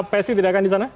psi tidak akan disana